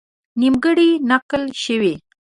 نیمګړې نقل شوې.